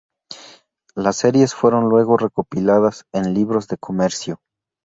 Las series fueron luego recopiladas en libros de comercio.